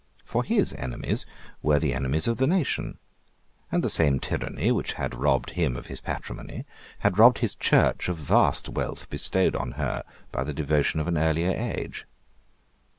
For his enemies were the enemies of his nation; and the same tyranny which had robbed him of his patrimony had robbed his Church of vast wealth bestowed on her by the devotion of an earlier age.